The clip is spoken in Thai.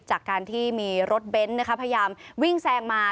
จากการที่รถเบ้นต์นะครับพยายามวิ่งแซงมา